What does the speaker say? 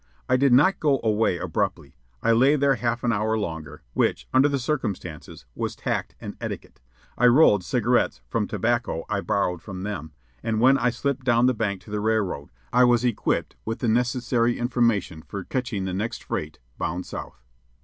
I did not go away abruptly. I lay there half an hour longer, which, under the circumstances, was tact and etiquette. I rolled cigarettes from tobacco I borrowed from them, and when I slipped down the bank to the railroad, I was equipped with the necessary information for catching the next freight bound south.